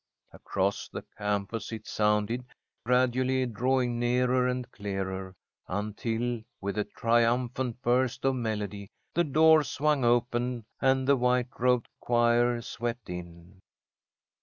Across the campus it sounded, gradually drawing nearer and clearer, until, with a triumphant burst of melody, the doors swung open and the white robed choir swept in.